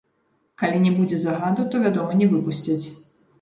Калі не будзе загаду, то, вядома, не выпусцяць.